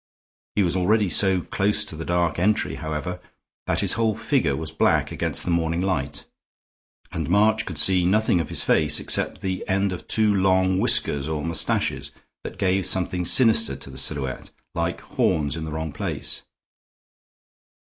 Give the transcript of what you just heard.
He was already so close to the dark entry, however, that his whole figure was black against the morning light, and March could see nothing of his face except the end of two long whiskers or mustaches that gave something sinister to the silhouette, like horns in the wrong place.